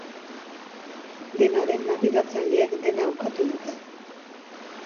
Dena den, nabigatzaileek dena ukatu dute.